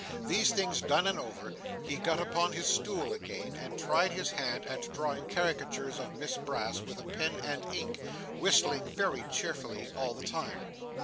These things done and over, he got upon his stool again and tried his hand at drawing caricatures of Miss Brass with a pen and ink, whistling very cheerfully all the time.